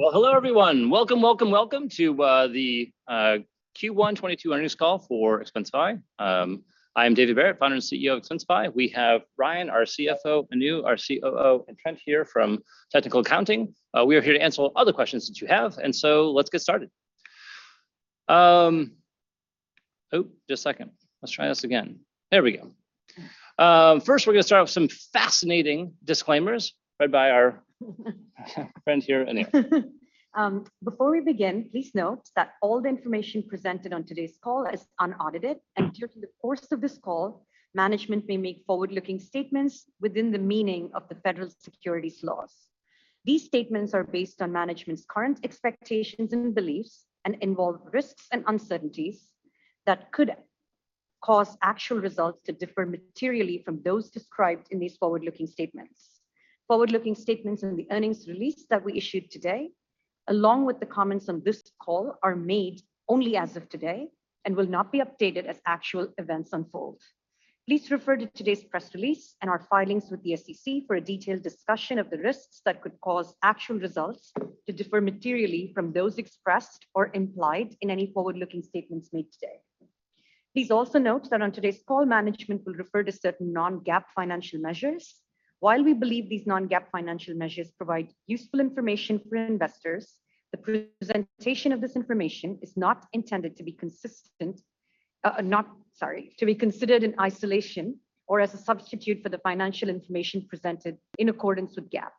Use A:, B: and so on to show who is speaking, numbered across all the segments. A: Well, hello everyone. Welcome to the Q1 2022 Earnings Call for Expensify. I am David Barrett, founder and CEO of Expensify. We have Ryan, our CFO; Anu, our COO; and Trent here from Technical Accounting. We are here to answer whatever other questions that you have. Let's get started. Just a second. Let's try this again. First we're gonna start off with some fascinating disclaimers read by our friend here, Anu.
B: Before we begin, please note that all the information presented on today's call is unaudited, and during the course of this call, management may make forward-looking statements within the meaning of the federal securities laws. These statements are based on management's current expectations and beliefs, and involve risks and uncertainties that could cause actual results to differ materially from those described in these forward-looking statements. Forward-looking statements in the earnings release that we issued today, along with the comments on this call, are made only as of today and will not be updated as actual events unfold. Please refer to today's press release and our filings with the SEC for a detailed discussion of the risks that could cause actual results to differ materially from those expressed or implied in any forward-looking statements made today. Please also note that on today's call, management will refer to certain non-GAAP financial measures. While we believe these non-GAAP financial measures provide useful information for investors, the presentation of this information is not intended to be considered in isolation or as a substitute for the financial information presented in accordance with GAAP.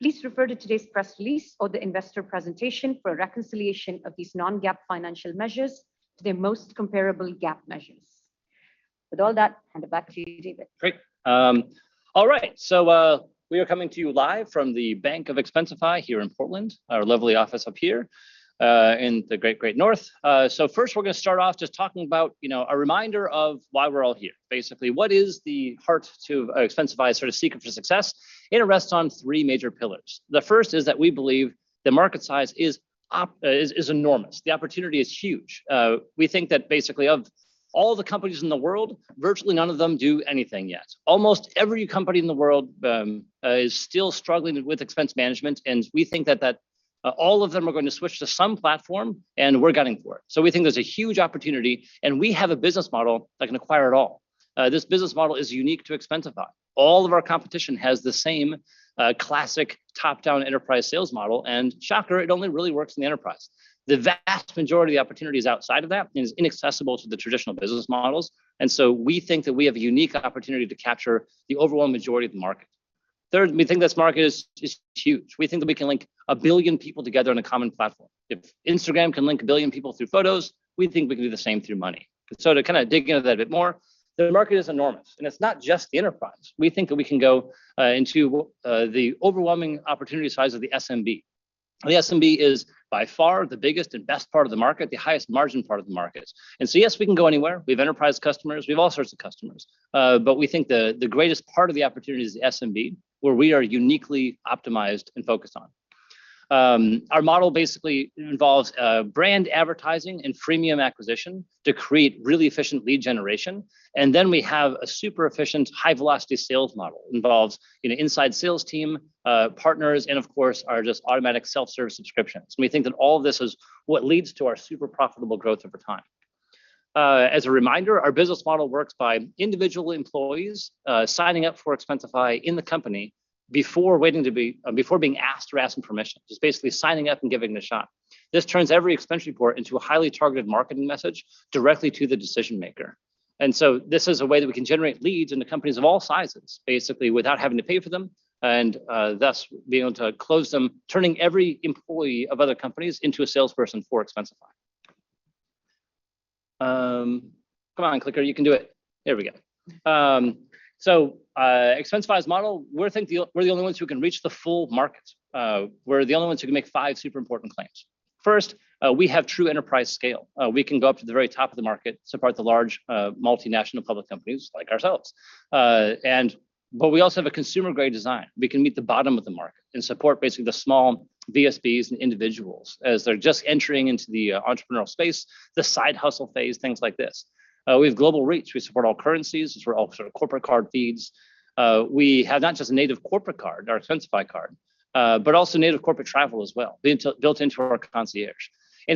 B: Please refer to today's press release or the investor presentation for a reconciliation of these non-GAAP financial measures to the most comparable GAAP measures. With all that, hand it back to you, David.
A: Great. All right, we are coming to you live from the Bank of Expensify here in Portland, our lovely office up here, in the great north. First we're gonna start off just talking about, you know, a reminder of why we're all here. Basically, what is the heart to Expensify's sort of secret for success? It rests on three major pillars. The first is that we believe the market size is enormous. The opportunity is huge. We think that basically of all the companies in the world, virtually none of them do anything yet. Almost every company in the world is still struggling with expense management, and we think that all of them are going to switch to some platform, and we're gunning for it. We think there's a huge opportunity, and we have a business model that can acquire it all. This business model is unique to Expensify. All of our competition has the same classic top-down enterprise sales model, and shocker, it only really works in the enterprise. The vast majority of the opportunity is outside of that, and is inaccessible to the traditional business models. We think that we have a unique opportunity to capture the overwhelming majority of the market. Third, we think this market is huge. We think that we can link a billion people together on a common platform. If Instagram can link a billion people through photos, we think we can do the same through money. To kinda dig into that a bit more, the market is enormous, and it's not just the enterprise. We think that we can go into the overwhelming opportunity size of the SMB. The SMB is by far the biggest and best part of the market, the highest margin part of the market. Yes, we can go anywhere. We have enterprise customers, we have all sorts of customers. But we think the greatest part of the opportunity is the SMB, where we are uniquely optimized and focused on. Our model basically involves brand advertising and freemium acquisition to create really efficient lead generation, and then we have a super efficient high velocity sales model. Involves, you know, inside sales team, partners, and of course our just automatic self-service subscriptions. We think that all of this is what leads to our super profitable growth over time. As a reminder, our business model works by individual employees signing up for Expensify in the company before being asked or asking permission. Just basically signing up and giving it a shot. This turns every expense report into a highly targeted marketing message directly to the decision-maker. This is a way that we can generate leads into companies of all sizes, basically without having to pay for them, and thus being able to close them, turning every employee of other companies into a salesperson for Expensify. Come on clicker, you can do it. There we go. Expensify's model, we're the only ones who can reach the full market. We're the only ones who can make five super important claims. First, we have true enterprise scale. We can go up to the very top of the market, support the large multinational public companies like ourselves. We also have a consumer-grade design. We can meet the bottom of the market and support basically the small SMBs and individuals as they're just entering into the entrepreneurial space, the side hustle phase, things like this. We have global reach. We support all currencies. We support all sort of corporate card feeds. We have not just a native corporate card, our Expensify Card, but also native corporate travel as well, built into our Concierge.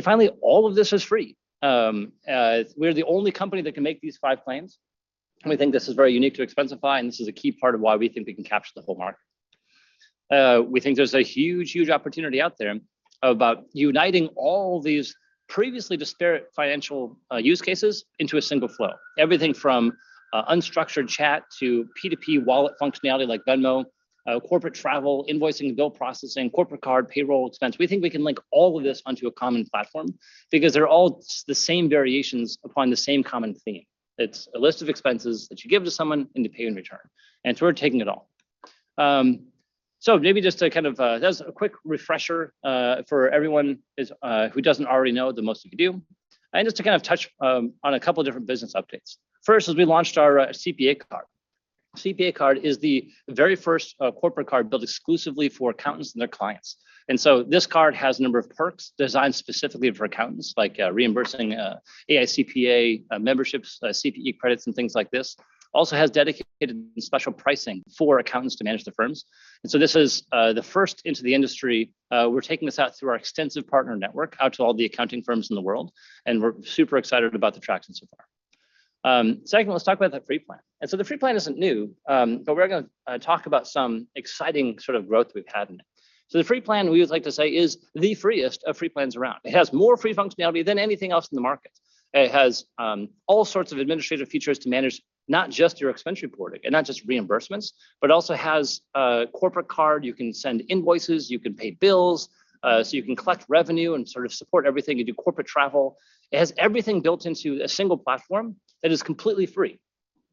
A: Finally, all of this is free. We're the only company that can make these five claims, and we think this is very unique to Expensify, and this is a key part of why we think we can capture the whole market. We think there's a huge opportunity out there about uniting all these previously disparate financial use cases into a single flow. Everything from unstructured chat to P2P wallet functionality like Venmo, corporate travel, invoicing and bill processing, corporate card, payroll, expense. We think we can link all of this onto a common platform because they're all the same variations upon the same common theme. It's a list of expenses that you give to someone and you pay in return, and we're taking it all. Maybe just to kind of as a quick refresher for everyone who doesn't already know the most of you do, and just to kind of touch on a couple different business updates. First, we launched our CPA Card. CPA Card is the very first corporate card built exclusively for accountants and their clients. This card has a number of perks designed specifically for accountants like reimbursing AICPA memberships, CPE credits, and things like this. It also has dedicated and special pricing for accountants to manage their firms. This is the first in the industry. We're taking this out through our extensive partner network, out to all the accounting firms in the world, and we're super excited about the traction so far. Second, let's talk about the free plan. The free plan isn't new, but we're gonna talk about some exciting sort of growth we've had in it. The free plan, we would like to say is the freest of free plans around. It has more free functionality than anything else in the market. It has all sorts of administrative features to manage not just your expense reporting and not just reimbursements, but also has a corporate card. You can send invoices, you can pay bills, so you can collect revenue and sort of support everything. You do corporate travel. It has everything built into a single platform that is completely free.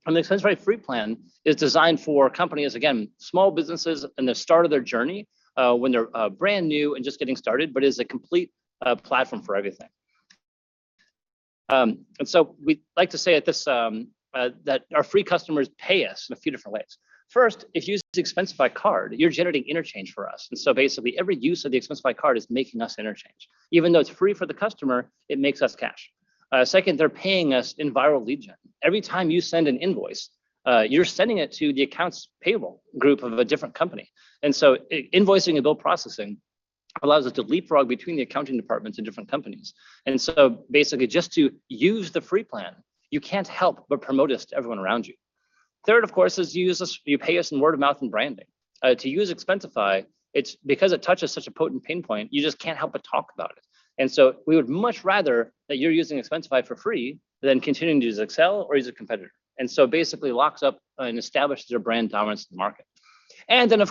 A: The Expensify free plan is designed for companies, again, small businesses in the start of their journey, when they're brand new and just getting started, but is a complete platform for everything. We like to say at this that our free customers pay us in a few different ways. First, if you use the Expensify Card, you're generating interchange for us, and so basically every use of the Expensify Card is making us interchange. Even though it's free for the customer, it makes us cash. Second, they're paying us in viral lead gen. Every time you send an invoice, you're sending it to the accounts payable group of a different company. Invoicing and bill processing allows us to leapfrog between the accounting departments in different companies. Basically just to use the free plan, you can't help but promote us to everyone around you. Third, of course, is you use us, you pay us in word of mouth and branding. To use Expensify, it's because it touches such a potent pain point, you just can't help but talk about it. We would much rather that you're using Expensify for free than continuing to use Excel or use a competitor. Of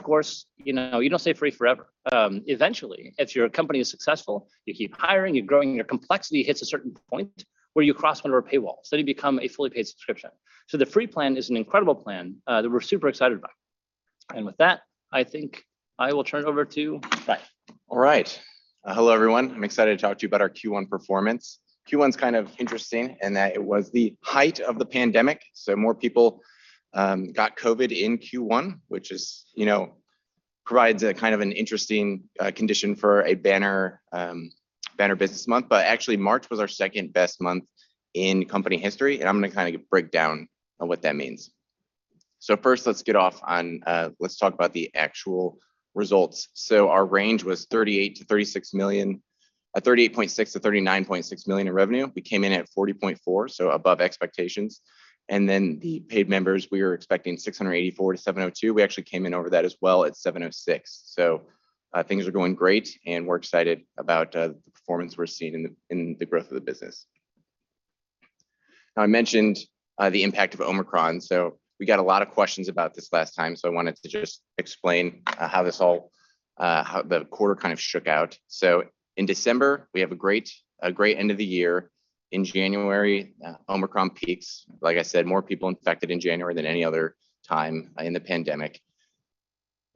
A: course, you know, you don't stay free forever. Eventually, if your company is successful, you keep hiring, you're growing, your complexity hits a certain point where you cross one of our paywalls, then you become a fully paid subscription. The free plan is an incredible plan that we're super excited about. With that, I think I will turn it over to Ryan.
C: All right. Hello, everyone. I'm excited to talk to you about our Q1 performance. Q1's kind of interesting in that it was the height of the pandemic, so more people got COVID in Q1, which, you know, provides a kind of an interesting condition for a banner business month. Actually, March was our second-best month in company history, and I'm gonna kinda break down on what that means. First, let's talk about the actual results. Our range was $38.6 million-$39.6 million in revenue. We came in at $40.4 million, so above expectations. Then the paid members, we were expecting 684-702. We actually came in over that as well at 706. Things are going great, and we're excited about the performance we're seeing in the growth of the business. Now, I mentioned the impact of Omicron, so we got a lot of questions about this last time, so I wanted to just explain how the quarter kind of shook out. In December, we have a great end of the year. In January, Omicron peaks. Like I said, more people infected in January than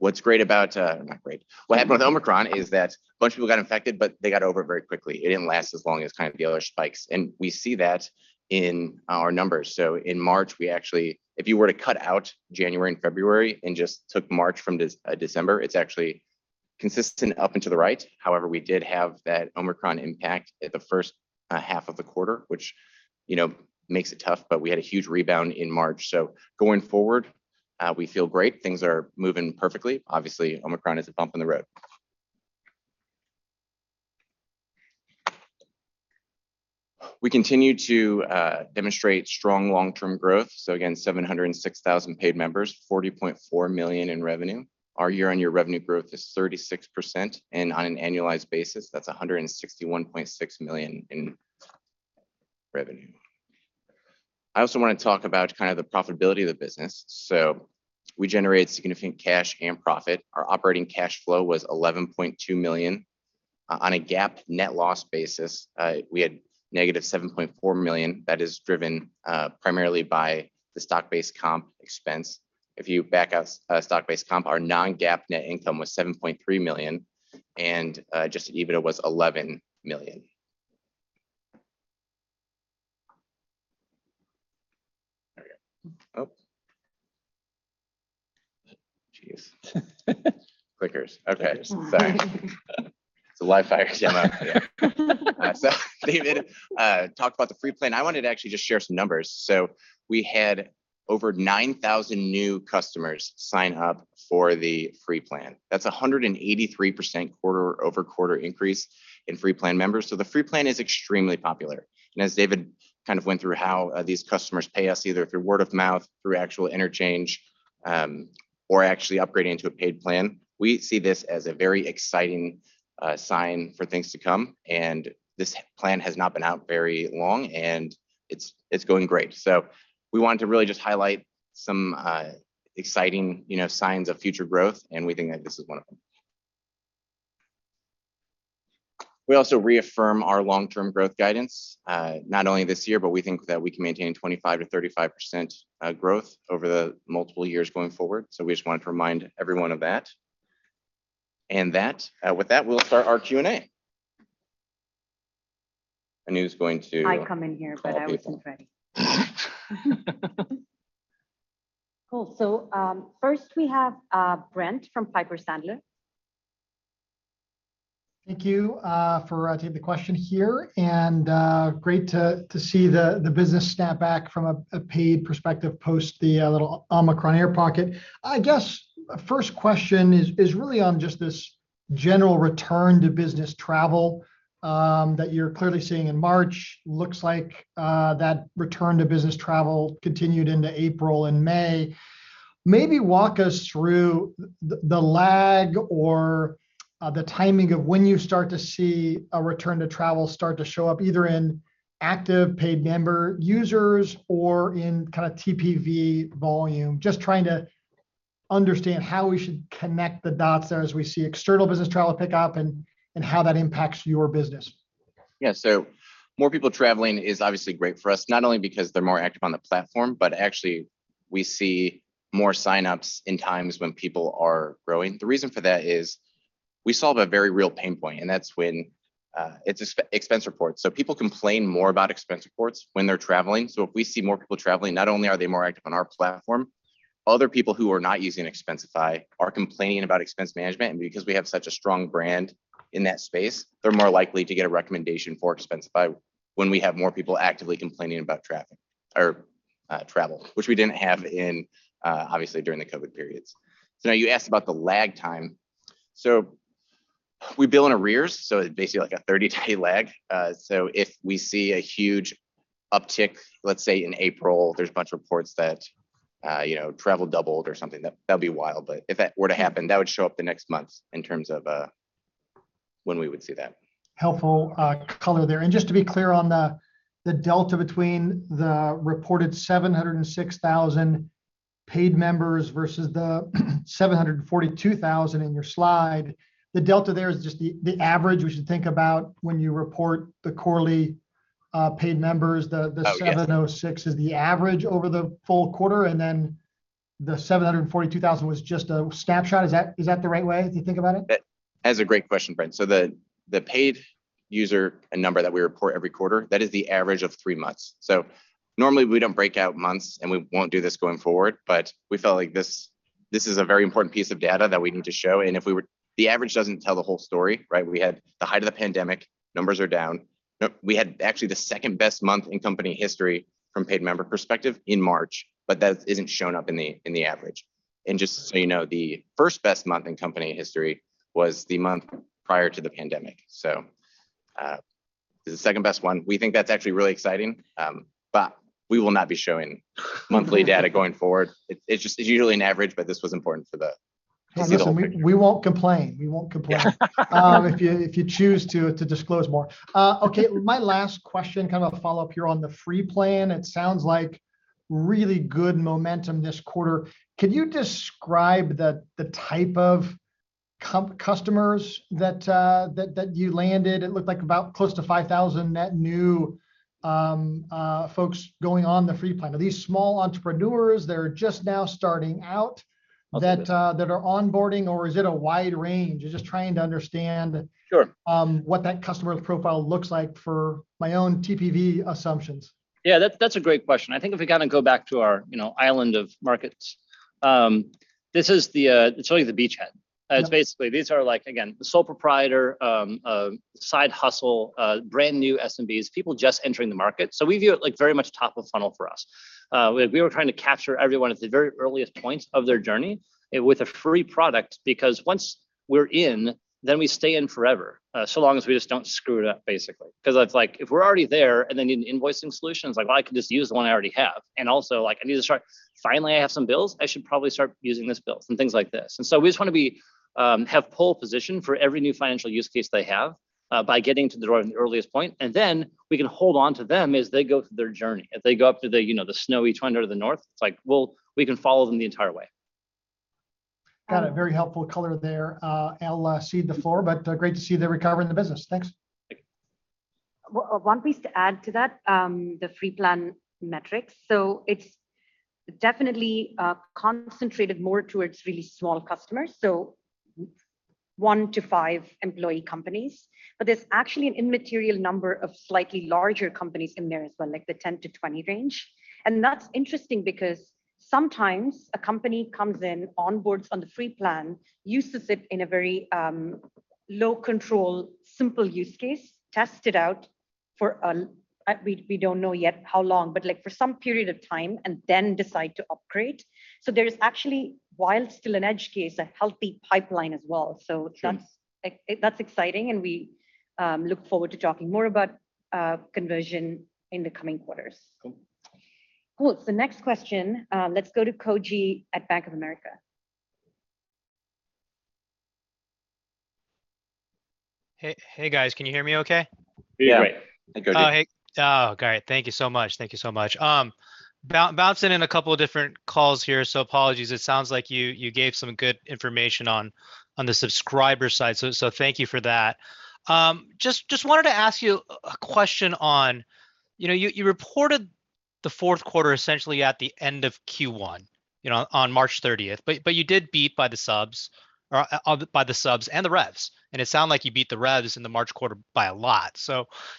C: any other time in the pandemic. What happened with Omicron is that a bunch of people got infected, but they got over it very quickly. It didn't last as long as kind of the other spikes, and we see that in our numbers. In March, we actually, if you were to cut out January and February and just took March from December, it's actually consistent up and to the right. However, we did have that Omicron impact at the first half of the quarter, which, you know, makes it tough, but we had a huge rebound in March. Going forward, we feel great. Things are moving perfectly. Obviously, Omicron is a bump in the road. We continue to demonstrate strong long-term growth, so again, 706,000 paid members, $40.4 million in revenue. Our year-on-year revenue growth is 36%, and on an annualized basis, that's $161.6 million in revenue. I also wanna talk about kind of the profitability of the business. We generate significant cash and profit. Our operating cash flow was $11.2 million. On a GAAP net loss basis, we had -$7.4 million. That is driven primarily by the stock-based comp expense. If you back out stock-based comp, our non-GAAP net income was $7.3 million, and Adjusted EBITDA was $11 million. There we go. Oh. Geez. Clickers. Okay. Sorry. It's a live fire demo.
A: Yeah.
C: David talked about the free plan. I wanted to actually just share some numbers. We had over 9,000 new customers sign up for the free plan. That's a 183% quarter-over-quarter increase in free plan members, so the free plan is extremely popular. As David kind of went through how these customers pay us, either through word of mouth, through actual interchange, or actually upgrading to a paid plan, we see this as a very exciting sign for things to come. This plan has not been out very long, and it's going great. We wanted to really just highlight some exciting, you know, signs of future growth, and we think that this is one of them. We also reaffirm our long-term growth guidance, not only this year, but we think that we can maintain 25%-35% growth over the multiple years going forward. We just wanted to remind everyone of that. With that, we'll start our Q&A. Anu's going to-
B: I'd come in here, but I wasn't ready.
C: Call on people.
B: Cool. First we have Brent from Piper Sandler.
D: Thank you for taking the question here, and great to see the business snap back from a paid perspective post the little Omicron air pocket. I guess first question is really on just this general return to business travel that you're clearly seeing in March. Looks like that return to business travel continued into April and May. Maybe walk us through the lag or the timing of when you start to see a return to travel start to show up, either in active paid member users or in kinda TPV volume. Just trying to understand how we should connect the dots there as we see external business travel pick up and how that impacts your business.
C: Yeah. More people traveling is obviously great for us, not only because they're more active on the platform, but actually we see more signups in times when people are growing. The reason for that is we solve a very real pain point, and that's when it's expense reports. People complain more about expense reports when they're traveling, so if we see more people traveling, not only are they more active on our platform, other people who are not using Expensify are complaining about expense management. Because we have such a strong brand in that space, they're more likely to get a recommendation for Expensify when we have more people actively complaining about travel, which we didn't have in obviously during the COVID periods. Now you asked about the lag time. We bill in arrears, so basically like a 30-day lag. If we see a huge uptick, let's say in April, there's a bunch of reports that, you know, travel doubled or something. That'd be wild, but if that were to happen, that would show up the next month in terms of when we would see that.
D: Helpful, color there. Just to be clear on the delta between the reported 706,000 paid members versus the 742,000 in your slide, the delta there is just the average we should think about when you report the quarterly paid members.
C: Oh, yes.
D: 706 is the average over the full quarter, and then the 742,000 was just a snapshot. Is that the right way to think about it?
C: That is a great question, Brent. The paid user number that we report every quarter is the average of three months. Normally we don't break out months, and we won't do this going forward, but we felt like this is a very important piece of data that we need to show. The average doesn't tell the whole story, right? We had actually the second-best month in company history from paid member perspective in March, but that isn't shown up in the average. Just so you know, the first best month in company history was the month prior to the pandemic. This is the second-best one. We think that's actually really exciting, but we will not be showing monthly data going forward. It's just usually an average, but this was important for the visual picture.
D: Yeah, listen, we won't complain. If you choose to disclose more. Okay, my last question, kind of a follow-up here on the free plan. It sounds like really good momentum this quarter. Can you describe the type of customers that you landed? It looked like about close to 5,000 net new folks going on the free plan. Are these small entrepreneurs that are just now starting out-
C: Possibly
D: that are onboarding, or is it a wide range? Just trying to understand.
C: Sure
D: what that customer profile looks like for my own TPV assumptions.
B: Yeah, that's a great question. I think if we kinda go back to our, you know, island of markets, this is showing the beachhead.
D: Sure.
B: It's basically these are like, again, sole proprietor, a side hustle, a brand-new SMBs, people just entering the market. We view it like very much top of funnel for us. We were trying to capture everyone at the very earliest point of their journey with a free product, because once we're in, then we stay in forever, so long as we just don't screw it up, basically. 'Cause it's like if we're already there, and they need an invoicing solution, it's like, well, I can just use the one I already have. Also, like, I need to start. Finally I have some bills, I should probably start using this bills, and things like this. We just wanna have pole position for every new financial use case they have by getting to the drawing board at the earliest point, and then we can hold on to them as they go through their journey. If they go up to the snowy tundra to the north, it's like, well, we can follow them the entire way.
D: Got it. Very helpful color there. I'll cede the floor, but great to see the recovery in the business. Thanks.
C: Thank you.
B: One piece to add to that, the free plan metrics. It's definitely concentrated more towards really small customers, so one to five employee companies. There's actually an immaterial number of slightly larger companies in there as well, like the 10 to 20 range, and that's interesting because sometimes a company comes in, onboards on the free plan, uses it in a very low-control, simple use case, tests it out, we don't know yet how long, but like, for some period of time, and then decide to upgrade. There's actually, while still an edge case, a healthy pipeline as well.
D: Sure.
B: That's exciting, and we look forward to talking more about conversion in the coming quarters.
D: Cool.
B: Cool. Next question, let's go to Koji at Bank of America.
E: Hey, guys, can you hear me okay?
C: Yeah.
D: Great. Hi, Koji.
E: Oh, hey. Oh, great. Thank you so much. Bouncing in a couple different calls here, so apologies. It sounds like you gave some good information on the subscriber side, so thank you for that. Just wanted to ask you a question on, you know, you reported the fourth quarter essentially at the end of Q1, you know, on March 30th. You did beat by the subs or by the subs and the revs, and it sounded like you beat the revs in the March quarter by a lot.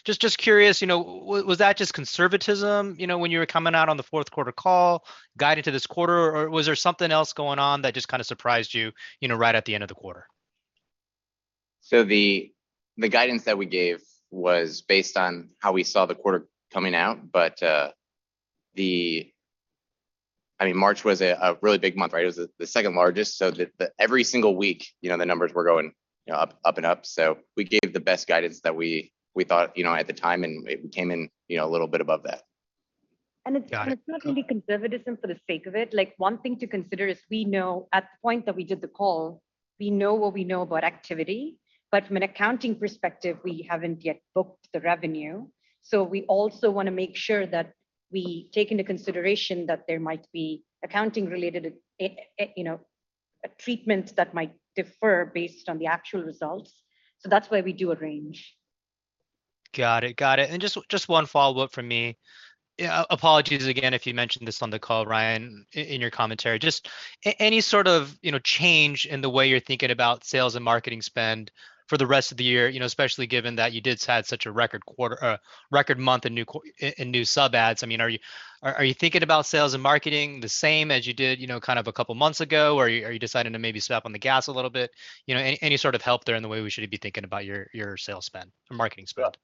E: Just curious, you know, was that just conservatism, you know, when you were coming out on the fourth quarter call guided to this quarter? Or was there something else going on that just kinda surprised you know, right at the end of the quarter?
C: The guidance that we gave was based on how we saw the quarter coming out. I mean, March was a really big month, right? It was the second-largest. Every single week, you know, the numbers were going, you know, up and up. We gave the best guidance that we thought, you know, at the time, and it came in, you know, a little bit above that.
E: Got it.
B: It's not really conservatism for the sake of it. Like, one thing to consider is we know at the point that we did the call, we know what we know about activity. From an accounting perspective, we haven't yet booked the revenue. We also wanna make sure that we take into consideration that there might be accounting related, you know, treatments that might differ based on the actual results. That's why we do a range.
E: Got it. Got it. Just one follow-up from me. Yeah, apologies again if you mentioned this on the call, Ryan, in your commentary. Just any sort of, you know, change in the way you're thinking about sales and marketing spend for the rest of the year. You know, especially given that you did have such a record quarter, record month in new sub adds. I mean, are you thinking about sales and marketing the same as you did, you know, kind of a couple months ago? Or are you deciding to maybe step on the gas a little bit? You know, any sort of help there in the way we should be thinking about your sales spend or marketing spend?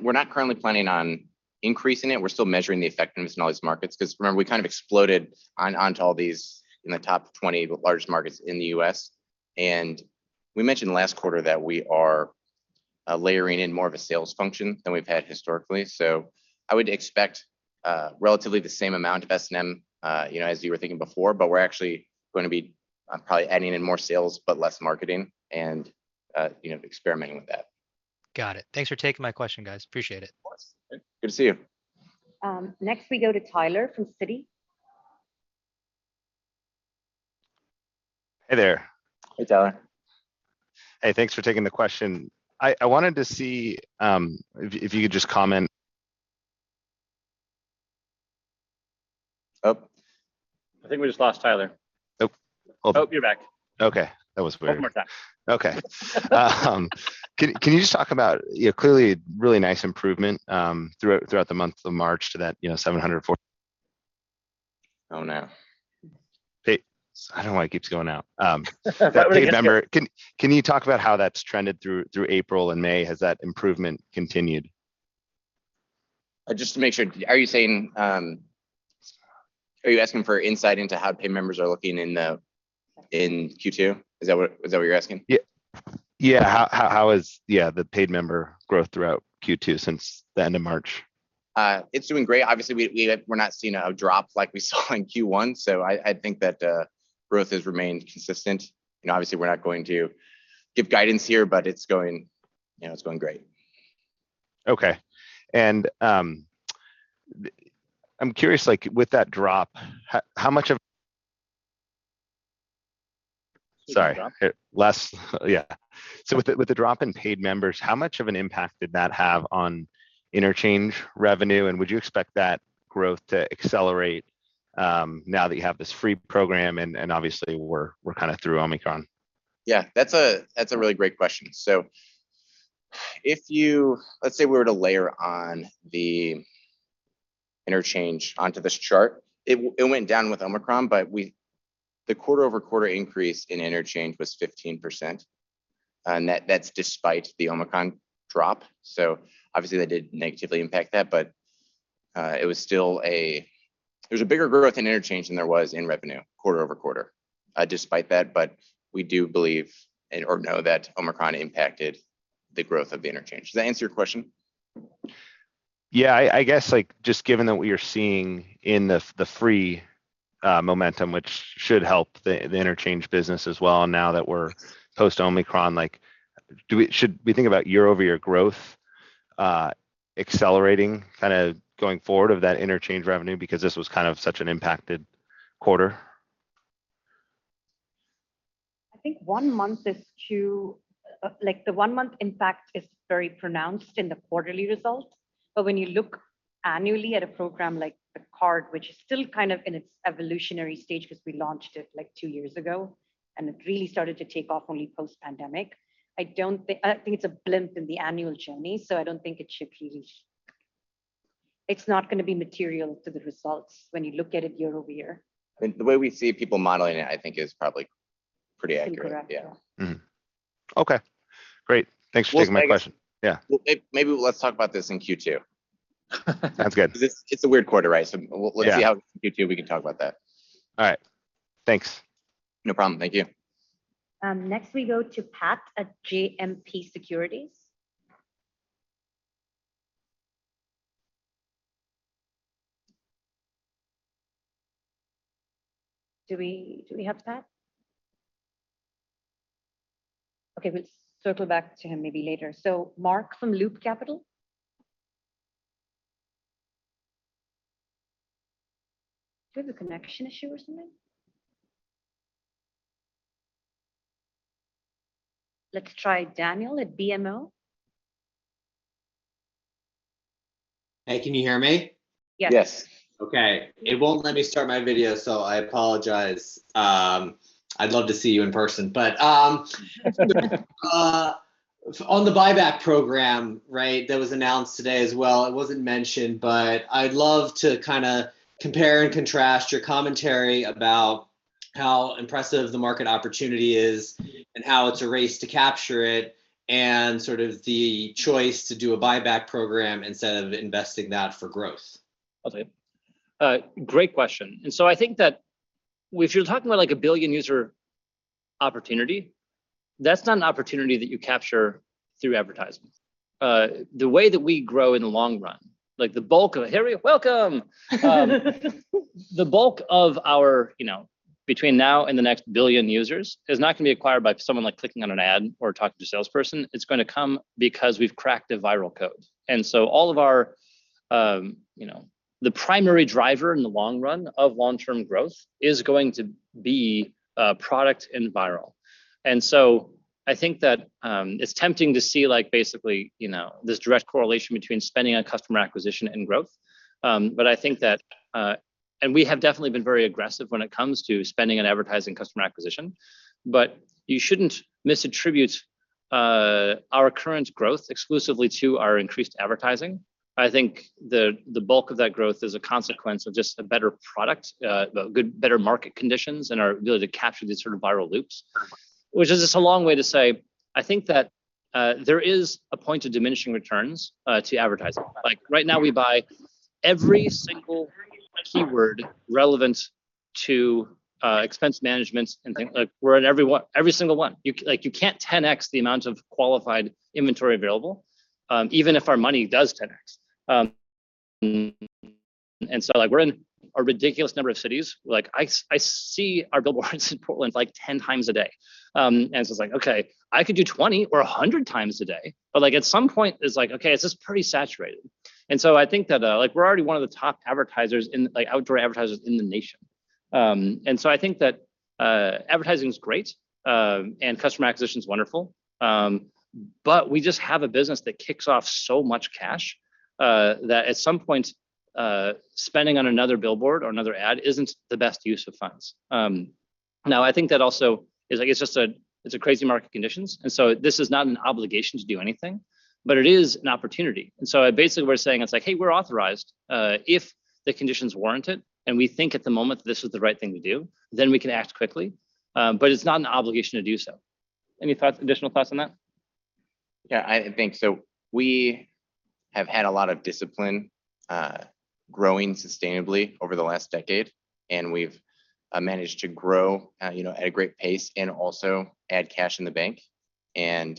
C: We're not currently planning on increasing it. We're still measuring the effectiveness in all these markets. 'Cause remember, we kind of exploded on, onto all these in the top 20 largest markets in the U.S. We mentioned last quarter that we are layering in more of a sales function than we've had historically. I would expect relatively the same amount of S&M, you know, as you were thinking before. We're actually gonna be probably adding in more sales but less marketing and, you know, experimenting with that.
E: Got it. Thanks for taking my question, guys. Appreciate it.
C: Of course. Good to see you.
B: Next we go to Tyler from Citi.
F: Hey there.
C: Hey, Tyler.
F: Hey, thanks for taking the question. I wanted to see if you could just comment.
C: Oh. I think we just lost Tyler.
F: Oh.
C: Oh, you're back.
F: Okay. That was weird.
C: One more time.
F: Okay. Can you just talk about, you know, clearly really nice improvement throughout the month of March to that, you know, 740-
C: Oh, no.
F: I don't know why it keeps going out.
C: We're gonna-
F: That paid member. Can you talk about how that's trended through April and May? Has that improvement continued?
C: Just to make sure, are you saying, are you asking for insight into how paid members are looking in Q2? Is that what you're asking?
F: How is the paid member growth throughout Q2 since the end of March?
C: It's doing great. Obviously we're not seeing a drop like we saw in Q1. I think that growth has remained consistent. Obviously we're not going to give guidance here, but it's going, you know, it's going great.
F: Okay. I'm curious, like with that drop. Sorry.
C: With the drop?
F: With the drop in paid members, how much of an impact did that have on interchange revenue, and would you expect that growth to accelerate, now that you have this free program and obviously we're kinda through Omicron?
C: Yeah. That's a really great question. Let's say we were to layer on the interchange onto this chart. It went down with Omicron, but the quarter-over-quarter increase in interchange was 15%, and that's despite the Omicron drop. Obviously that did negatively impact that. There was a bigger growth in interchange than there was in revenue quarter-over-quarter, despite that. We do believe or know that Omicron impacted the growth of the interchange. Does that answer your question?
F: I guess like just given that what you're seeing in the free momentum, which should help the interchange business as well now that we're post-Omicron, like do we should we think about year-over-year growth accelerating kinda going forward of that interchange revenue because this was kind of such an impacted quarter?
B: I think one month is too. Like, the one month impact is very pronounced in the quarterly results. When you look annually at a program like the card, which is still kind of in its evolutionary stage 'cause we launched it like two years ago and it really started to take off only post-pandemic, I don't think it's a blimp in the annual journey, so I don't think it should really. It's not gonna be material to the results when you look at it year-over-year.
C: I mean, the way we see people modeling it, I think is probably pretty accurate.
B: It's inaccurate.
C: Yeah.
F: Mm-hmm. Okay. Great. Thanks for taking my question.
C: Well, maybe.
F: Yeah.
C: Well, maybe let's talk about this in Q2.
F: Sounds good.
C: 'Cause it's a weird quarter, right? We'll
F: Yeah
C: See how in Q2 we can talk about that.
F: All right. Thanks.
C: No problem. Thank you.
B: Next we go to Pat at JMP Securities. Do we have Pat? Okay, we'll circle back to him maybe later. Mark from Loop Capital. Do you have a connection issue or something? Let's try Daniel at BMO.
G: Hey, can you hear me?
B: Yes.
A: Yes.
G: Okay. It won't let me start my video, so I apologize. I'd love to see you in person. On the buyback program, right, that was announced today as well, it wasn't mentioned, but I'd love to kinda compare and contrast your commentary about how impressive the market opportunity is and how it's a race to capture it, and sort of the choice to do a buyback program instead of investing that for growth.
A: Okay. Great question. I think that if you're talking about, like, a billion user opportunity, that's not an opportunity that you capture through advertisements. The way that we grow in the long run, like the bulk of... Harry, welcome. The bulk of our, you know, between now and the next billion users, is not gonna be acquired by someone, like, clicking on an ad or talking to a salesperson, it's gonna come because we've cracked a viral code. All of our, you know, the primary driver in the long run of long-term growth is going to be, product and viral. I think that, it's tempting to see, like, basically, you know, this direct correlation between spending on customer acquisition and growth, but I think that, We have definitely been very aggressive when it comes to spending on advertising customer acquisition, but you shouldn't misattribute our current growth exclusively to our increased advertising. I think the bulk of that growth is a consequence of just a better product, the good, better market conditions, and our ability to capture these sort of viral loops. Which is just a long way to say, I think that there is a point of diminishing returns to advertising. Like, right now we buy every single keyword relevant to expense management and things. Like, we're in every one, every single one. You, like you can't 10x the amount of qualified inventory available, even if our money does 10x. And so, like, we're in a ridiculous number of cities. Like, I see our billboards in Portland, like, 10x a day. It's like, okay, I could do 20x or 100x a day, but like, at some point it's like, okay, this is pretty saturated. I think that, like, we're already one of the top advertisers in, like, outdoor advertisers in the nation. I think that, advertising's great, and customer acquisition's wonderful, but we just have a business that kicks off so much cash, that at some point, spending on another billboard or another ad isn't the best use of funds. Now I think that also is like, it's just a crazy market conditions, and so this is not an obligation to do anything, but it is an opportunity. Basically we're saying it's like, "Hey, we're authorized." If the conditions warrant it, and we think at the moment this is the right thing to do, then we can act quickly, but it's not an obligation to do so. Any thoughts, additional thoughts on that?
G: Yeah, I think so. We have had a lot of discipline growing sustainably over the last decade, and we've managed to grow, you know, at a great pace and also add cash in the bank. The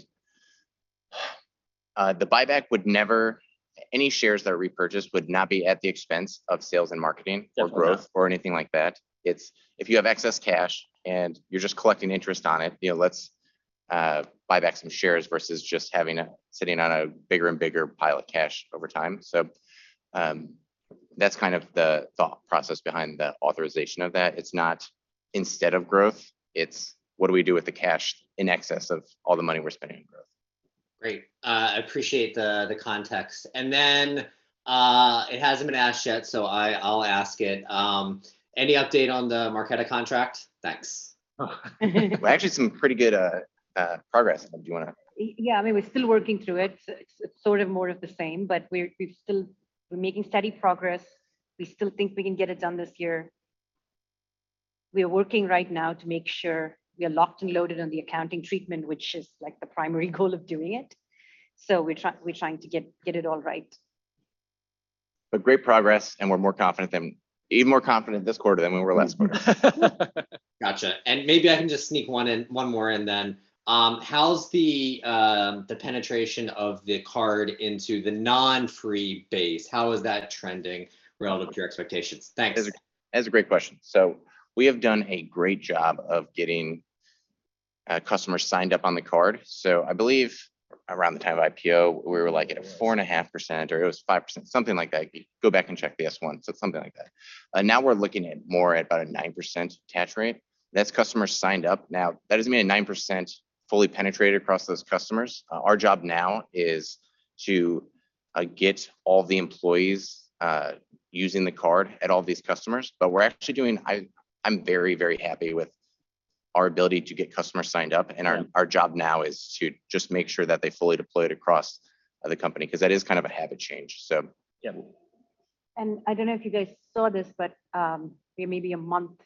G: buyback would never any shares that are repurchased would not be at the expense of sales and marketing.
A: Definitely not.
G: or growth or anything like that. It's if you have excess cash and you're just collecting interest on it, you know, let's buy back some shares versus just having it sitting on a bigger and bigger pile of cash over time. That's kind of the thought process behind the authorization of that. It's not instead of growth, it's what do we do with the cash in excess of all the money we're spending on growth. Great. I appreciate the context. It hasn't been asked yet, so I'll ask it. Any update on the Marqeta contract? Thanks. Actually some pretty good progress. Do you wanna-
B: Yeah, I mean, we're still working through it, so it's sort of more of the same, but we're making steady progress. We still think we can get it done this year. We are working right now to make sure we are locked and loaded on the accounting treatment, which is, like, the primary goal of doing it. We're trying to get it all right.
A: Great progress, and we're more confident than, even more confident this quarter than we were last quarter.
G: Gotcha. Maybe I can just sneak one more in then. How's the penetration of the card into the non-free base? How is that trending relative to your expectations? Thanks.
A: That's a great question. We have done a great job of getting customers signed up on the card. I believe around the time of IPO, we were like at a 4.5%, or it was 5%, something like that. Go back and check the S-1, so something like that. Now we're looking at more at about a 9% attach rate. That's customers signed up. Now, that doesn't mean a 9% fully penetrated across those customers. Our job now is to get all the employees using the card at all these customers. I'm very, very happy with our ability to get customers signed up.
G: Yeah.
A: Our job now is to just make sure that they fully deploy it across the company, 'cause that is kind of a habit change, so.
G: Yeah.
B: I don't know if you guys saw this, but maybe a month,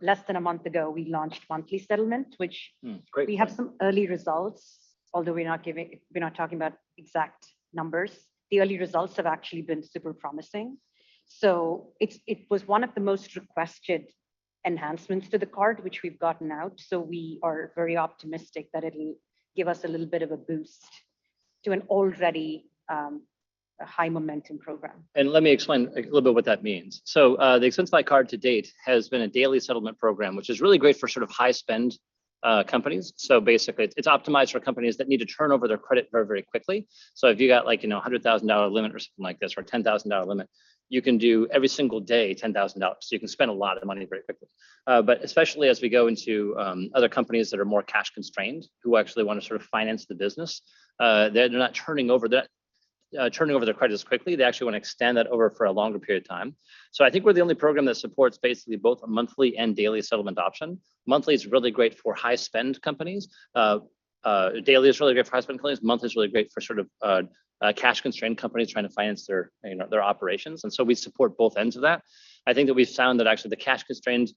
B: less than a month ago, we launched monthly settlement.
A: Great.
B: We have some early results, although we're not talking about exact numbers. The early results have actually been super promising. It was one of the most requested enhancements to the card, which we've gotten out, so we are very optimistic that it'll give us a little bit of a boost to an already high momentum program.
A: Let me explain a little bit what that means. The Expensify Card to date has been a daily settlement program, which is really great for sort of high spend companies. Basically it's optimized for companies that need to turn over their credit very, very quickly. If you've got like, you know, a $100,000 limit or something like this, or a $10,000 limit, you can do every single day $10,000. You can spend a lot of money very quickly. Especially as we go into other companies that are more cash constrained, who actually wanna sort of finance the business, they're not turning over their credits quickly, they actually wanna extend that over for a longer period of time. I think we're the only program that supports basically both a monthly and daily settlement option. Monthly is really great for high spend companies. Daily is really great for high spend companies. Monthly is really great for sort of a cash constrained company trying to finance their, you know, their operations, and we support both ends of that. I think that we've found that actually the cash constrained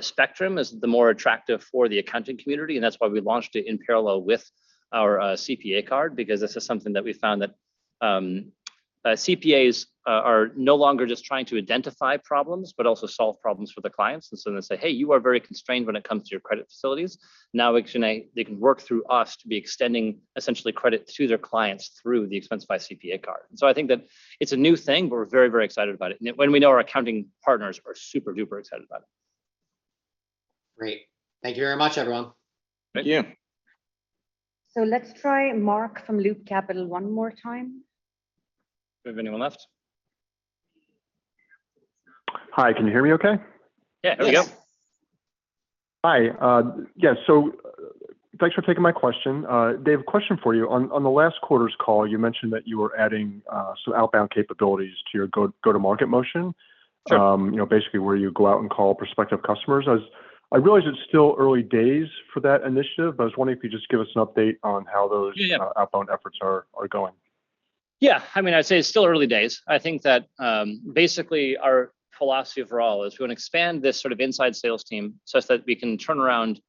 A: spectrum is the more attractive for the accounting community, and that's why we launched it in parallel with our CPA card because this is something that we found that CPAs are no longer just trying to identify problems, but also solve problems for the clients. They say, "Hey, you are very constrained when it comes to your credit facilities." Now they can work through us to be extending essentially credit to their clients through the Expensify CPA Card. I think that it's a new thing, but we're very, very excited about it. When we know our accounting partners are super-duper excited about it.
G: Great. Thank you very much, everyone.
C: Thank you.
B: Let's try Mark from Loop Capital one more time.
A: Do we have anyone left?
H: Hi, can you hear me okay?
A: Yeah, there we go.
B: Yes.
H: Hi, yeah, thanks for taking my question. David, a question for you. On the last quarter's call, you mentioned that you were adding some outbound capabilities to your go-to-market motion.
A: Sure.
H: You know, basically where you go out and call prospective customers. As I realize it's still early days for that initiative, but I was wondering if you could just give us an update on how those
A: Yeah, yeah.
H: Outbound efforts are going.
A: Yeah. I mean, I'd say it's still early days. I think that basically our philosophy overall is we wanna expand this sort of inside sales team such that we can turn around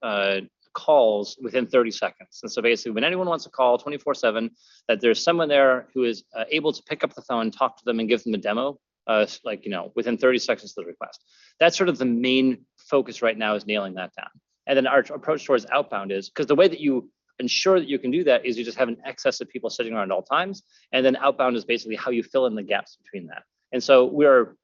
A: calls within 30 seconds. Basically when anyone wants to call 24/7, that there's someone there who is able to pick up the phone, talk to them, and give them a demo, like, you know, within 30 seconds of the request. That's sort of the main focus right now is nailing that down. Our approach towards outbound is because the way that you ensure that you can do that is you just have an excess of people sitting around at all times, and then outbound is basically how you fill in the gaps between that. We are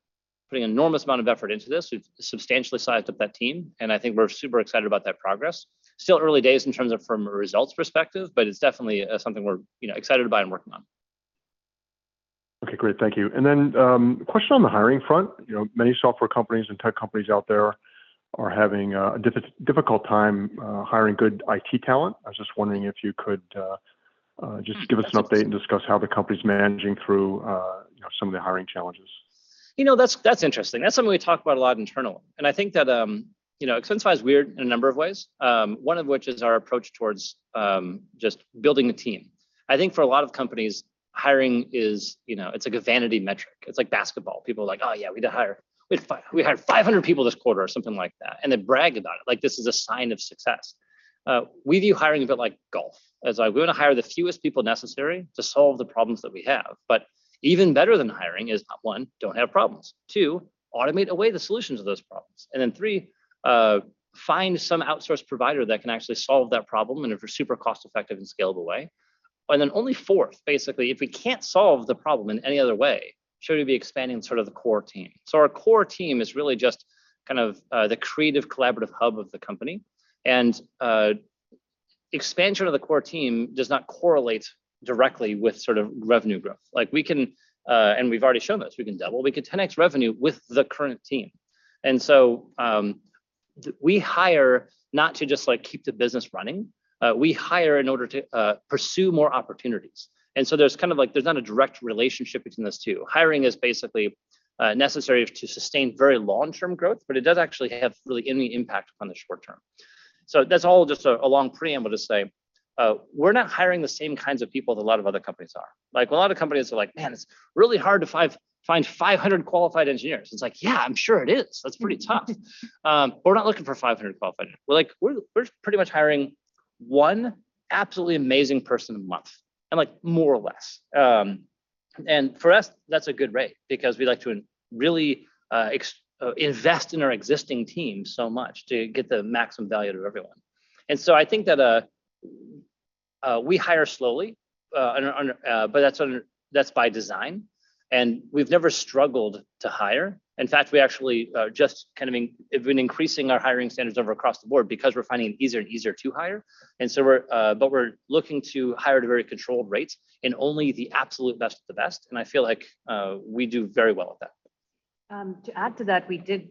A: putting enormous amount of effort into this. We've substantially sized up that team, and I think we're super excited about that progress. Still early days in terms of from a results perspective, but it's definitely, something we're, you know, excited about and working on.
H: Okay, great. Thank you. Question on the hiring front. You know, many software companies and tech companies out there are having a difficult time hiring good IT talent. I was just wondering if you could just give us an update and discuss how the company's managing through you know, some of the hiring challenges.
A: You know, that's interesting. That's something we talk about a lot internally. I think that, you know, Expensify is weird in a number of ways, one of which is our approach towards just building a team. I think for a lot of companies, hiring is, you know, it's like a vanity metric. It's like basketball. People are like, "Oh, yeah, we did hire. We hired 500 people this quarter," or something like that, and then brag about it, like this is a sign of success. We view hiring a bit like golf, as like we're gonna hire the fewest people necessary to solve the problems that we have. Even better than hiring is, one, don't have problems. Two, automate away the solutions of those problems. Three, find some outsource provider that can actually solve that problem and in a super cost-effective and scalable way. Only fourth, basically, if we can't solve the problem in any other way, should we be expanding sort of the core team. Our core team is really just kind of the creative collaborative hub of the company. Expansion of the core team does not correlate directly with sort of revenue growth. Like, we can, and we've already shown this, we can double, 10x revenue with the current team. We hire not to just, like, keep the business running. We hire in order to pursue more opportunities. There's kind of like not a direct relationship between those two. Hiring is basically necessary to sustain very long-term growth, but it doesn't actually have really any impact on the short term. That's all just a long preamble to say, we're not hiring the same kinds of people that a lot of other companies are. Like, a lot of companies are like, "Man, it's really hard to find 500 qualified engineers." It's like, "Yeah, I'm sure it is. That's pretty tough." We're not looking for 500 qualified. We're like, we're pretty much hiring one absolutely amazing person a month, and like, more or less. For us, that's a good rate because we like to really invest in our existing team so much to get the maximum value to everyone. I think that we hire slowly, but that's by design. We've never struggled to hire. In fact, we actually have been increasing our hiring standards across the board because we're finding it easier and easier to hire. But we're looking to hire at a very controlled rate and only the absolute best of the best, and I feel like we do very well at that.
B: To add to that, we did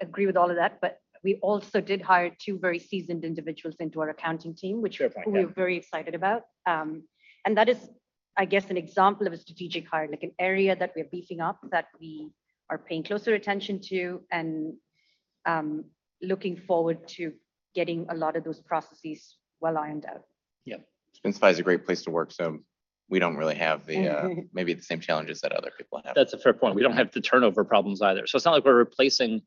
B: agree with all of that, but we also did hire two very seasoned individuals into our accounting team.
A: Sure. Fine
B: which we're very excited about. That is, I guess, an example of a strategic hire, like an area that we're beefing up, that we are paying closer attention to, and looking forward to getting a lot of those processes well ironed out.
A: Yeah.
C: Expensify is a great place to work, so we don't really have the, maybe the same challenges that other people have.
A: That's a fair point. We don't have the turnover problems either. It's not like we're replacing.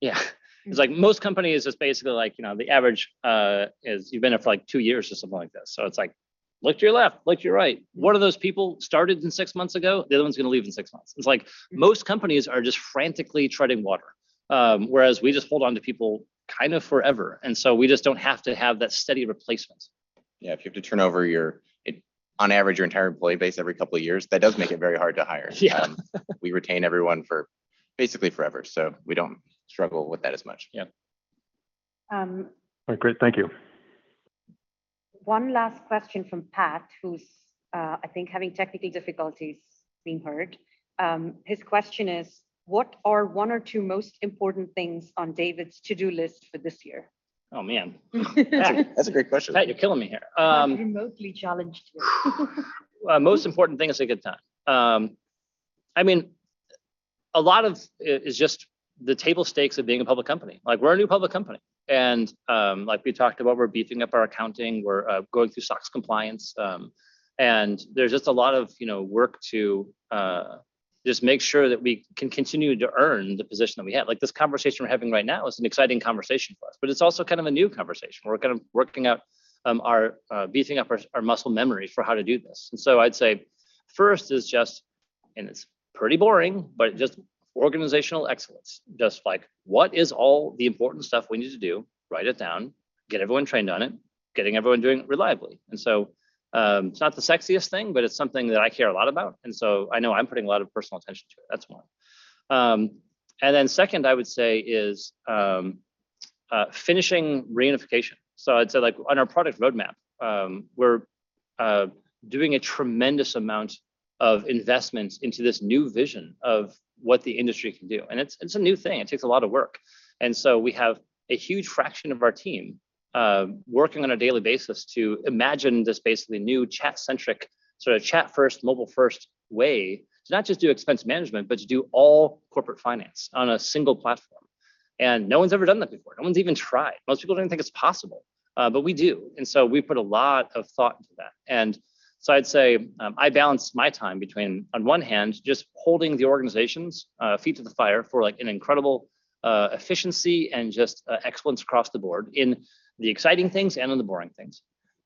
C: Yeah.
A: It's like most companies, it's basically like, you know, the average is you've been there for, like, two years or something like this. It's like, look to your left, look to your right. One of those people started in six months ago, the other one's gonna leave in six months. It's like most companies are just frantically treading water, whereas we just hold on to people kinda forever, and so we just don't have to have that steady replacement.
C: Yeah. If you have to turn over, on average, your entire employee base every couple of years, that does make it very hard to hire.
A: Yeah.
C: We retain everyone for basically forever, so we don't struggle with that as much.
A: Yeah.
B: Um-
H: All right. Great. Thank you.
B: One last question from Pat, who's, I think having technical difficulties being heard. His question is, what are one or two most important things on David's to-do list for this year?
A: Oh man.
C: That's a great question.
A: Pat, you're killing me here.
B: Remotely challenged.
A: Most important thing is a good team. I mean, a lot of it is just the table stakes of being a public company. Like, we're a new public company, and like we talked about, we're beefing up our accounting, we're going through SOX compliance. There's just a lot of, you know, work to just make sure that we can continue to earn the position that we have. Like, this conversation we're having right now is an exciting conversation for us, but it's also kind of a new conversation. We're kind of beefing up our muscle memory for how to do this. I'd say first is just, and it's pretty boring, but just organizational excellence. Just, like, what is all the important stuff we need to do? Write it down. Get everyone trained on it. Getting everyone doing it reliably. It's not the sexiest thing, but it's something that I care a lot about, and so I know I'm putting a lot of personal attention to it. That's one. Second, I would say is finishing reunification. I'd say, like, on our product roadmap, we're doing a tremendous amount of investments into this new vision of what the industry can do, and it's a new thing. It takes a lot of work. We have a huge fraction of our team working on a daily basis to imagine this basically new chat-centric, sort of chat first, mobile first way to not just do expense management, but to do all corporate finance on a single platform. No one's ever done that before. No one's even tried. Most people don't even think it's possible. We do. We've put a lot of thought into that. I'd say I balance my time between, on one hand, just holding the organization's feet to the fire for, like, an incredible efficiency and just excellence across the board in the exciting things and in the boring things.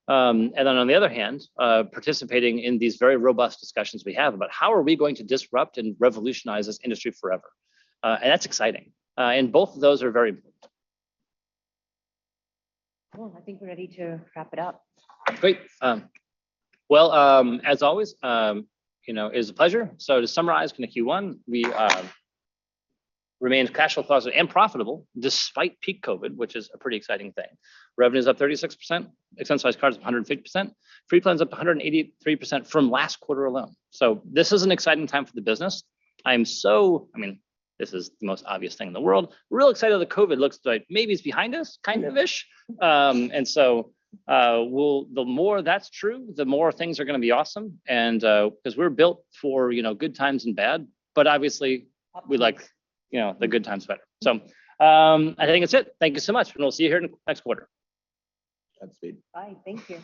A: On the other hand, participating in these very robust discussions we have about how are we going to disrupt and revolutionize this industry forever. That's exciting. Both of those are very important.
B: Cool. I think we're ready to wrap it up.
A: Great. Well, as always, you know, it was a pleasure. To summarize kind of Q1, we remained cash flow positive and profitable despite peak COVID, which is a pretty exciting thing. Revenue's up 36%, Expensify cards 150%, free plans up 183% from last quarter alone. This is an exciting time for the business. I mean, this is the most obvious thing in the world, real excited that COVID looks like maybe it's behind us kind of-ish.
B: Yeah.
A: The more that's true, the more things are gonna be awesome and 'cause we're built for, you know, good times and bad, but obviously.
B: Obviously
A: We like, you know, the good times better. I think that's it. Thank you so much, and we'll see you here next quarter. Godspeed. Bye. Thank you.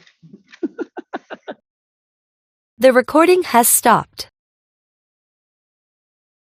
B: The recording has stopped.